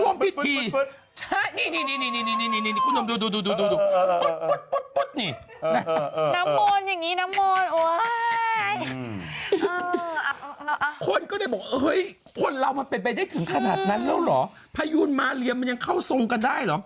ไม่ใช่พยุนมาเหรียมแล้วเป็นอะไร